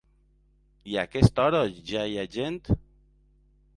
I a aquesta hora ja hi ha gent?